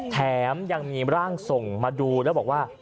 แถมยังมีร่างส่งมาดูแล้วบอกว่า